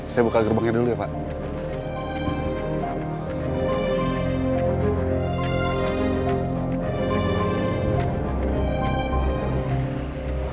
saya buka gerbeknya dulu ya pak